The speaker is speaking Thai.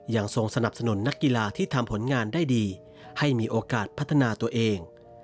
ทรงสนับสนุนนักกีฬาที่ทำผลงานได้ดีให้มีโอกาสพัฒนาตัวเอง